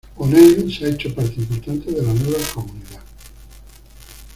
O'Neill se ha hecho parte importante de la nueva comunidad.